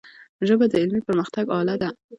ژبه د علمي پرمختګ آله ده.